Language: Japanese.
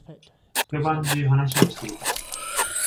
一晩中話をしていた。